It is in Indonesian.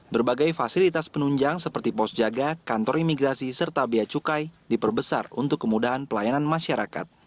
berbagai fasilitas penunjang seperti pos jaga kantor imigrasi serta biaya cukai diperbesar untuk kemudahan pelayanan masyarakat